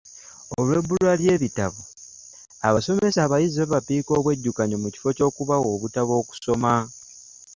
Olw'ebbula ly'ebitabo, abasomesa abayizi babapiika obwejjukanyo mu kifo ky'okubawa obutabo okusoma!